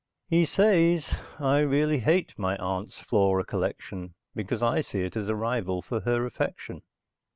He says I really hate my aunt's flora collection because I see it as a rival for her affection.